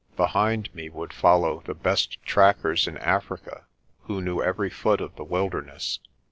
Be hind me would follow the best trackers in Africa who knew every foot of the wilderness.